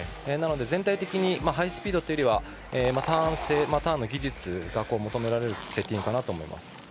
なので、全体的にハイスピードというよりはターンの技術が求められるセッティングかなと思います。